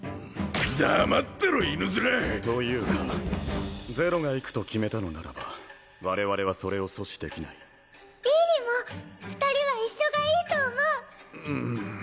黙ってろ犬面というかゼロが行くと決めたのならば我々はそれを阻止できないリーリも２人は一緒がいいと思う！